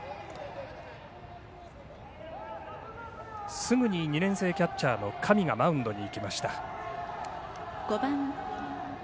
すぐに２年生キャッチャーの上がマウンドに行きました。